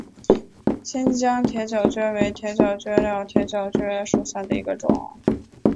新疆铁角蕨为铁角蕨科铁角蕨属下的一个种。